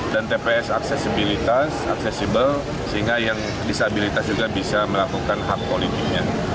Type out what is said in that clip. dan tps aksesibilitas sehingga yang disabilitas juga bisa melakukan hak politiknya